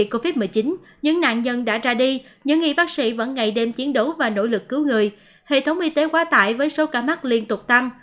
khi bác sĩ vẫn ngày đêm chiến đấu và nỗ lực cứu người hệ thống y tế quá tải với sâu cả mắt liên tục tăm